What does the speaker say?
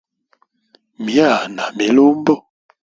Myaa na milumbo.